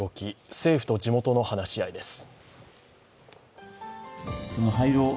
政府と地元の話し合いです。